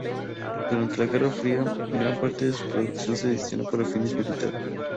Durante la guerra fría gran parte de su producción se destinó para fines militares.